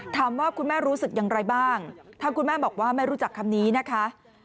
ถามว่าคุณแม่รู้สึกอย่างไรบ้างทางคุณแม่บอกว่าไม่รู้จักคำนี้นะคะ